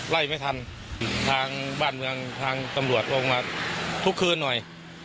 ไล่ไม่ทันทางบ้านเมืองทางตำรวจลงมาทุกคืนหน่อย